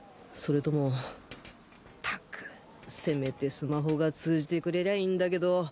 それともったくせめてスマホが通じてくれりゃいいんだけど